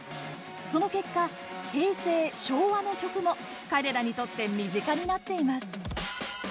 その結果、平成・昭和の曲も彼らにとって身近になっています。